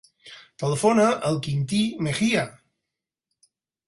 Telefona al Quintí Mejia.